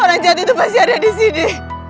orang jahat itu pasti ada disini